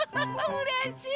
うれしい！